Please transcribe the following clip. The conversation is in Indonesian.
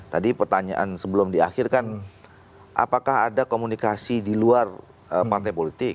dan pertanyaan sebelum diakhirkan apakah ada komunikasi di luar partai politik